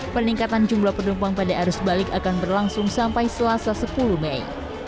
peningkatan jumlah penumpang pada arus balik akan berlangsung sampai selasa sepuluh mei